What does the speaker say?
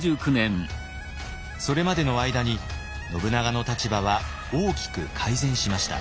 それまでの間に信長の立場は大きく改善しました。